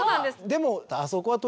でも。